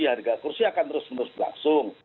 harga kursi akan terus menerus berlangsung